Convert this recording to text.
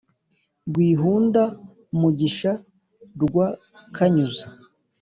rwihunda-mugisha rwa kanyuza